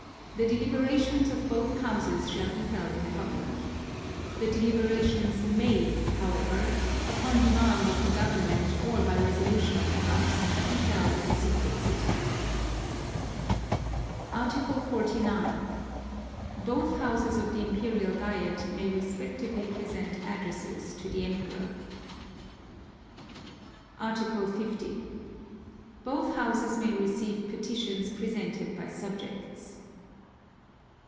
The deliberations of both Houses shall be held in public. The deliberations may, however, upon demand of the Government or by resolution of the House, be held in secret sitting. Article 49. Both Houses of the Imperial Diet may respectively present addresses to the Emperor. Article 50. Both Houses may receive petitions presented by subjects.